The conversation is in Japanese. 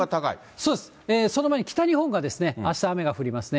そうです、その前に北日本があした雨が降りますね。